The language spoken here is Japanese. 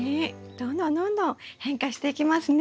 どんどんどんどん変化していきますね。